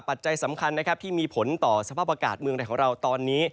ปัจจัยสำคัญนะครับที่มีผลต่อสภาพอากาศเมืองไทยของเราตอนนี้